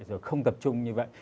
rồi không tập trung như vậy